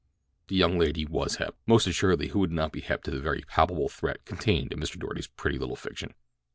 The young lady was hep—most assuredly who would not be hep to the very palpable threat contained in Mr. Doarty's pretty little fiction?